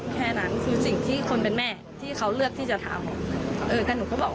แค่นั้นคือสิ่งที่คนเป็นแม่ที่เขาเลือกที่จะทำเออแต่หนูก็บอก